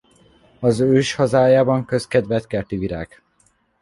Az őshazájában közkedvelt kerti virág.